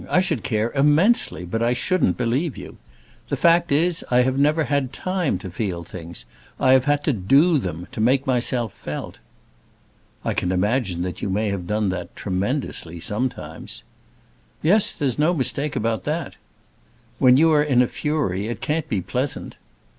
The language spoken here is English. I should care immensely, but I shouldn't believe you. The fact is I have never had time to feel things. I have had to do them, to make myself felt." "I can imagine that you may have done that tremendously, sometimes." "Yes, there's no mistake about that." "When you are in a fury it can't be pleasant."